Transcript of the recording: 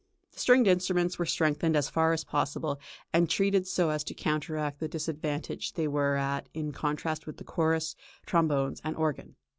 The stringed instruments were strengthened as far as possible and treated so as to counteract the disadvantage they were at in contrast with the chorus, trombones and organ.